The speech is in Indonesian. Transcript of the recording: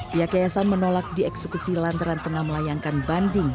pihak yayasan menolak dieksekusi lantaran tengah melayangkan banding